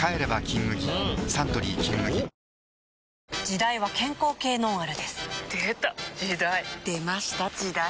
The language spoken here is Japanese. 時代は健康系ノンアルですでた！時代！出ました！時代！